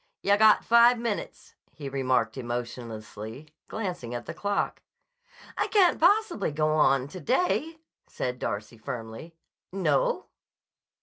"Yah got five minutes," he remarked emotionlessly, glancing at the clock. "I can't possibly go on to day," said Darcy firmly. "No?"